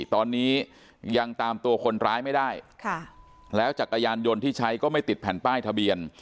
ตอนนี้ยังตามตัวคนร้ายไม่ได้แล้วจักรยานยนต์ที่ใช้ก็ไม่ติดแผ่นป้ายทะเบียน